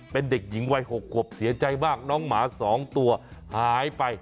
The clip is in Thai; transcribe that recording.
เป็นเด็กหญิงวัย๖ขวบเสียใจมากน้องหมา๒ตัวหายไป